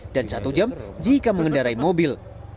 dan satu jam jika mengendarai mobil